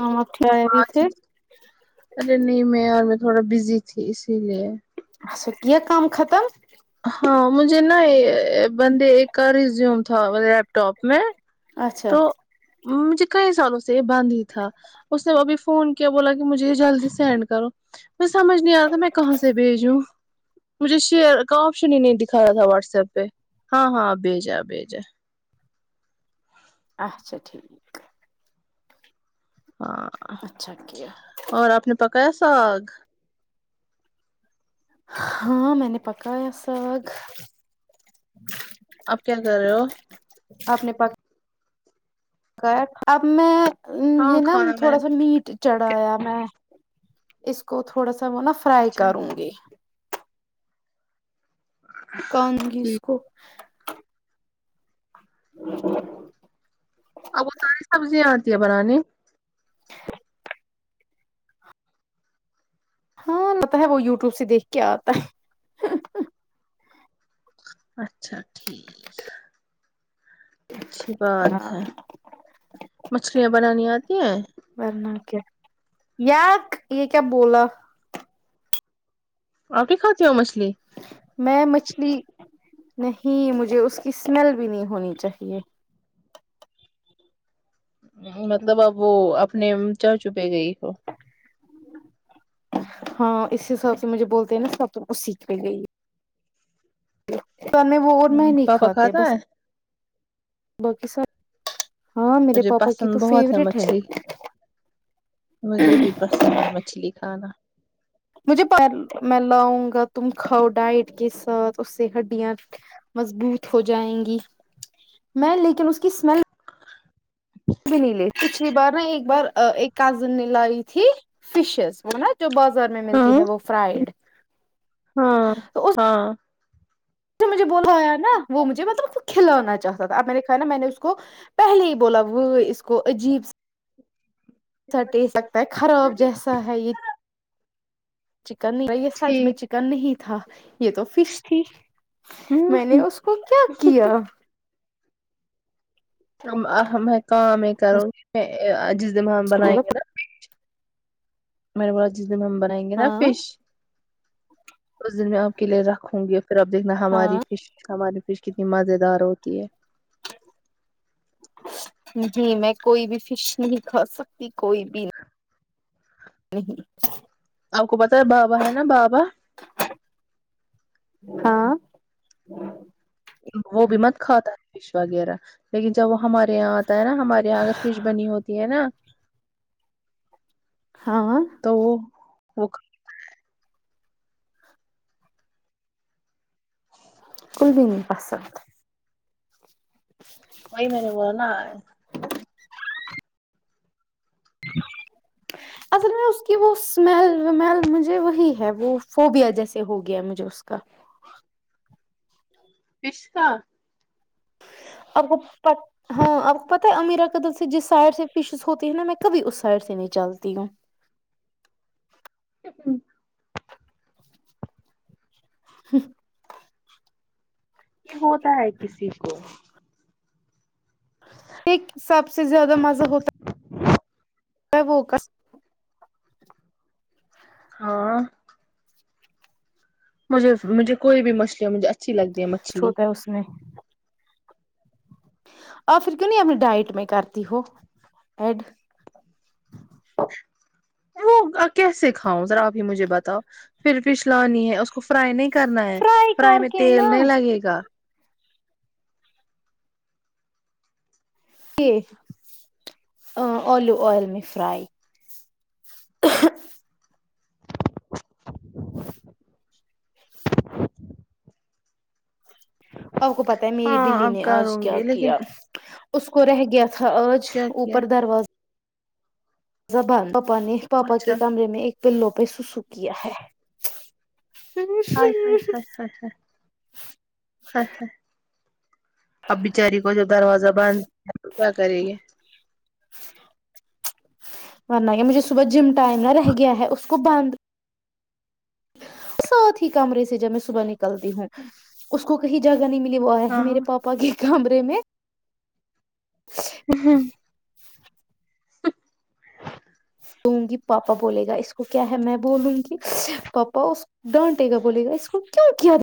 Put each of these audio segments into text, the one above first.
ہم آپ کھلائے بھی ہاں تھے ارے نہیں میں ار میں تھوڑا بزی تھی اسی لیے اچھا یہ کم ختم ہاں مجھے نا بندے ایک کا ریزیوم تھا لیپ ٹاپ میں اچھا تو [unintelligible] سے باند ہی تھا اس نے ابھی فون کیا کیا بولا کہ مجھے یہ جلدی سینڈ کرو میں سمجھ نہیں آتا میں کہاں سے بھیجوں مجھے شیئر کا آپشن ہی نہیں دکھا رہا تھا واٹس ایپ پہ ہاں ہاں بھیجا بھیجا اچھا ٹھیک ہے ہاں اچھا کیا اور آپ نے پکا کا ساگ ہاں میں نے پکایا ساگ آپ کیا کر رہے ہو [unintelligible] اب میں ہاں یہ نا کھانا میں تھوڑا سا نے میٹ چڑھایا میں اس کو تھوڑا سا سب نا فرائی اچھا کروں گی کانگی اس ٹھیک کو [inaudible] اب وہ ساری سبزیاں آتی ہے بنانے ہاں لتا ہے وہ یوٹیوب سے دیکھ کے آتا ہے اچھا ٹھیک ہے اچھی بات ہے مچھلیاں بنانی آتی ہیں ورناہ کیا یا یہ کیا بولا اورپ کیا کھاتی ہو مچھلی [unintelligible] [unintelligible] [unintelligible] [unintelligible] پاپا کھاتا ہے [unintelligible] [unintelligible] میرے پاپا کی تو فیوریٹ ہے [unintelligible] [unintelligible] [unintelligible] [unintelligible] [inaudible] [unintelligible] ہاں [unintelligible] ہاں ہاں [unintelligible] [unintelligible] [unintelligible] [unintelligible] [unintelligible] ٹھیک [unintelligible] ہوں میں نے اس کو کیا کیا ہمیں ہمیں کام کرو جس دن جب ہم کو بنائیں بولا گے نا کھچ میں نے واہا پھر ہم بنائیں گے نا ہاں فش اس دن میں آپ کے لیے رکھوں گی پھر اپ دیکھنا ہماری ہاں فش ہماری [unintelligible] جی میں کوئی بھی فش نہیں کھا سکتی [inaudible] اپ کو پتہ ہے نہ بابا ہے نہ بابا [inaudible] وہ بھی مت کھاتا ہے فش وغیرہ لیکن جب وہ ہمارے یہاں ہوتا ہے نہ ہمارے اگر فش بنی ہوتی ہے نہ ہا ں تو وہ [inaudible] کل بھی نہیں پسند وہی میں نے بولا نا [inaudible] اصل میں اس کی وہ اسمیل ومیل مجھے وہی ہے وہ فوبیا جیسے ہو گیا ہے مجھے اس کا رشتا آپ کو پتہ ہاں آپ کو پتہ ہے امیرا کدل سے جس سائڈ سے فشز ہوتی ہے نہ میں کبھی اس سائڈ سے نہیں چلتی ہوں ہمم ہممم یہ ہوتا ہے کسی کو ٹھیک سب سے کیا وہ کا ہاں مجھے مجھے کوئی بھی مچھلیاں مجھے اچھی لگتی ہے کسٹرڈ مچھلی ہوتا ہے آف پھر کیوں نہیں اپنی ڈائٹ میں کرتی ہو ایڈ وہ کیسے کھاؤں زرا آپ مجھے بتاو پھر فش لانی ہے اس کو فرائی نہیں کرنا ہے فرائی کر میں کے نا تیل نہیں لگے گا الیو آئل میں فرائی [inaudible] آپ کو پت ہے میری ہاں بلی اب نے آج کروں کیا گی لیکن کیا اس کو رہ گیا اج کیا کیا اوپر دروازہ زہ بند پاپا کے اچھا کمرے میں ایک پلوں پہ سسو کیا ہے ہائے ہائے ہائے اب بچاری کو جب دروازہ باندھ ہیں تو کیا کرے گے مورنا ہے مجھے صبح جم ٹائم نہ رہ گیا ہے اس کو بندد ساتھ ہی کمرے سے جب میں صبح نکلتی ہوں اس کو کہیں جگہ نہیں ملی ہوا ہے ہاں میرے پا کے کام ر میں ہوں دوں گی پاپا بولے گا اس کو کیا ہے میں بولوں گی پاپا اس ڈانٹے گا بولے گا اس کو کیوں کیا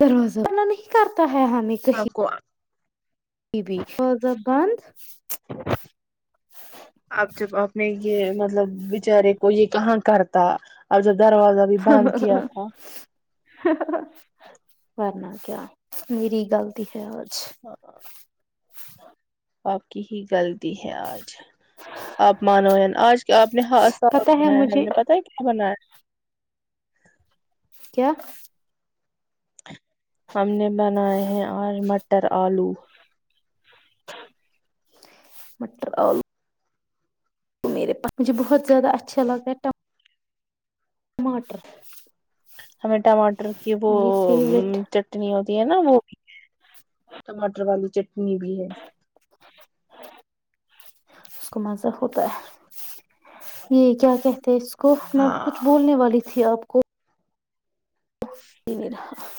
در روزنا نہیں کرتا ہے ہمیں کہیں آپ کو بی فوضہ بند اب جب اپنے یہ مطلب بیچارے کو یہ کہاں کرتا اب جب دروازہ بھی بند کیا تھا کرنا کیا میری گغلط ہے ہاں ہ آپ کی ہی غلطی ہے آج آپ مانو آج آپ نے ہا پتہ بنایا ہے ہم مجھے نے پتا ہے کیا بنایا کیا ا ہم نے بناائے ہیں اور م بٹر آلو م تو میرے پ مجھے بہت زیادہ اچھا لگتا ہے ٹماٹر ہمیں ٹماٹر کی وہ میری فیوریٹ اس چٹنی ہوتی نا وہ ٹماٹر والی چ م بھی ہے اس کو مزہ ہوتا ہے یہ کیا کہتے ہیں اس کو کو میں ہاں کچھ بولنے والی تھی آپ کو دیر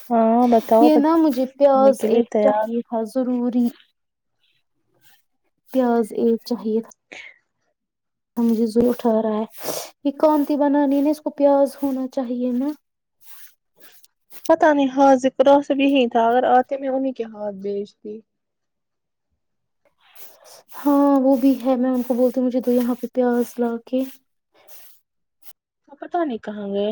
ہاں بتاؤ یہ نا مجھے بتانے پیاز کے لیے ایک تیار چاہیے تھا ضروری پیاز ایک چاہیے ہاں مجھے زور ٹھ رہا ہے یہ کاانتی بنانی ہے نا اس کو پیاز ہونا چاہیے نا پتاہ نہیں ہاں ذکرا سے بھیی تھا اگر آتے میں انہیں کے ہاتھ بیچتی ہاں وہ بھی ہے میں ان کو بولتی ہوں مجھے تو یہاں پہ پیاز لا کے تو پتہ نہیں کہاں گئے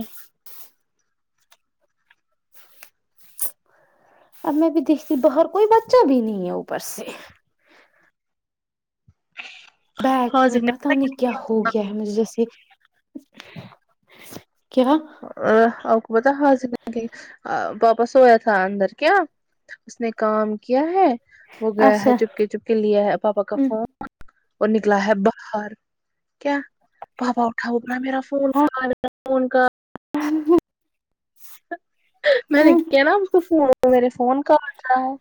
اب میں بھی دیکھتی باہر کوئی بچہ بھی نہیں ہے اوپر سے بیک میں حاضق نے پتا نہیں کیا ہو گیا ہے مجھے جیسے کیا اچھا بتا زگی واپس ہوویا تھا اندر کیا اس نے کام کیا ہے وہ گیا اچھا ہے چپک چپ کے لیا ہے پاپا کا فون اور نکلا ہے باہر کیا پاپا اٹھا وہ با میرا فون کہ ما فون کہ میں نے کیا نا م کو فون تو میرے فون کا بٹ رہا ہے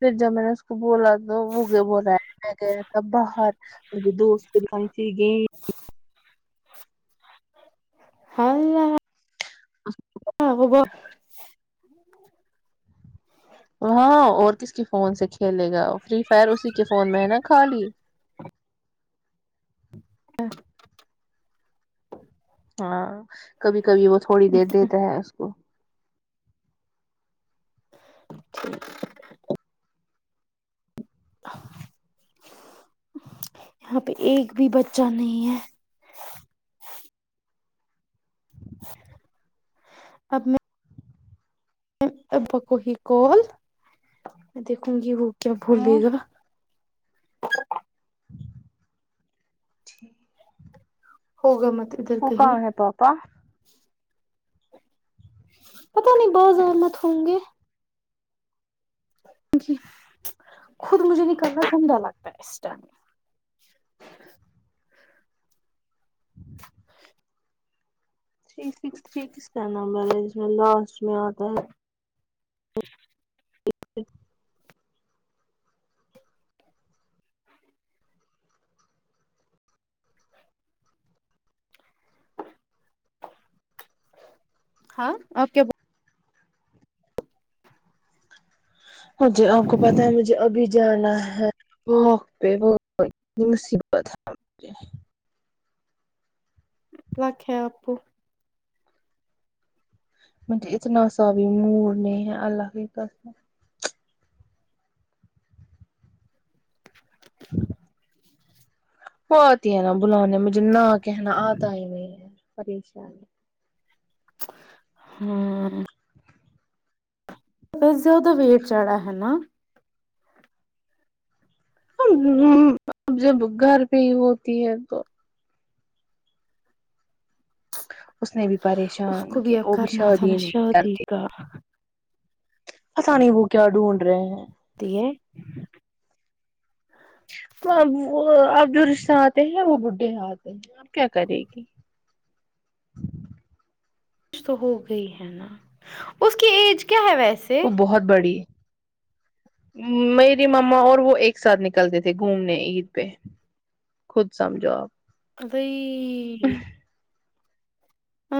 پھر جب میں نے اس کو بولا تو وہ بلا ہے میں گیا تھا باہر مے دوست کو د کہانی ت گ ہاں [unintelligible] ہاں اور کس کے فون سے کھیلے گا فری فائر اسی کے فون میں ہے نا خالی [inaudible] ہاں کبھی کبھی وہ تھوڑی دیر دیتا ہے اس کو [inaudible] یہاں پہ ایک بھی بچہ نہیں ہے اب میں ابو کو ہی قال دیکھوں گی وہ کیا ہاں بولے گا ٹھی ہوگا مت ادھر وہ کہیں کہاں ہے پاپا پتہ نہیں بازار مت ہوں گے جی خود مجھے نکلنا گندا لگتا ہے اس ٹائم تھری سکس تھری کس کا نمبر ہے جس میں لاسٹ میں اتا ہے [inaudible] [inaudible] ہاں اپ کیا بو ہاں جی اپ کو پتہ ہے مجھے ابھی جانا ہے واک پہ وائی مصیبت ہے مجھے لک ہے اپ کو مجھے اتنا سا بھی موڈ نہیں ہے اللہ کی قسم وہ اتی ہے نا بلانے مجھےنا کہنا اتا ہی نہیں ہے پریشیانی [unintelligible] بس زیادہ ویٹ چڑھا ہے نا اب جب گھر پہ ہی ہوتی ہے تو اس نے بھی اس پریشان کو بھی کیا اب وہ ابھی کرنا تھا شادی ہی نا نہیں شادی کرتے کا پتہ نہیں وہ کیا ڈھونڈ رہے ہیں [unintelligible] وہ وہ اب جو رشتہ اتے ہیں وہ ب [unintelligible] کیا کرے گی کچھ تو ہو گئی ہے نا اس کی ایج کیا ہے وے وہ بہت بڑی میری مما اور وہ ایک ساتھ نکلتے تھے گھومنے عید پہ خود سمجھو اپ ا ہ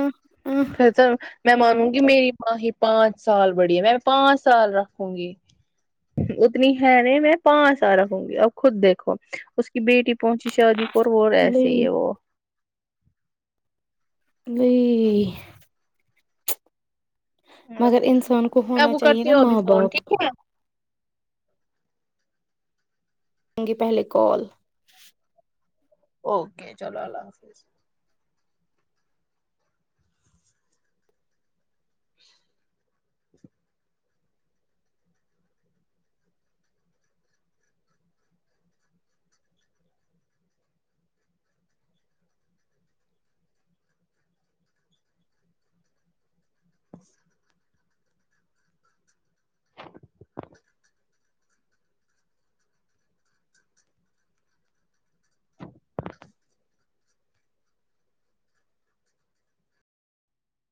[unintelligible] میں مانوں گی میری ماہ ہی پانچ سال بڑی ہے میں پانچ سال رکھوں گی اتنی ہے نہیں میں پانچ سال رکھوں گی اب خود دیکھو اس کی بیٹی پہنچی شا دی اور وہ ایسے ہی لی ہے وہ نہیںی میں مگر انسان کو آپ ہونا چاہیے کرتی نا ہوں ابھی ماں فون باپ ٹھیک ہے آیں گے پہلے کال اوکے چلو اللہ حافظ [inaudible] س [inaudible]